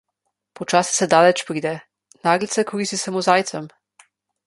Počasi se daleč pride, naglica koristi samo zajcem.